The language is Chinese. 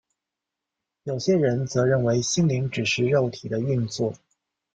有些人则认为心灵只是肉体的运作。